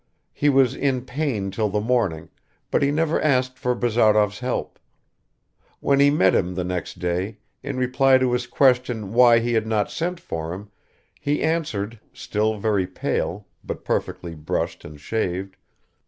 He was in pain till the morning, but he never asked for Bazarov's help; when he met him the next day, in reply to his question why he had not sent for him, he answered, still very pale, but perfectly brushed and shaved.